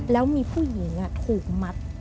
แล้วมีผู้หญิงถูกมัด